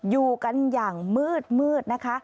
อยู่กันอย่างมืดนะคะ